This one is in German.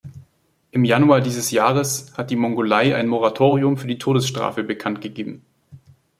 Im Januar dieses Jahres hat die Mongolei ein Moratorium für die Todesstrafe bekannt gegeben.